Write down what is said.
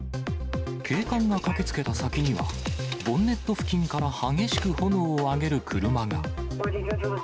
警官が駆けつけた先には、ボンネット付近から激しく炎を上げる車が。